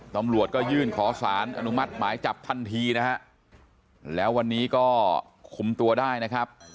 ตำรวจก็ยื่นขอสารอนุมัติหมายจับทันทีนะฮะแล้ววันนี้ก็คุมตัวได้นะครับ